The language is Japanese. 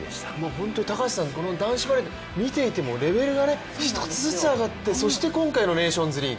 本当に男子バレー、レベルが一つずつ上がってね、そして今回のネーションズリーグ。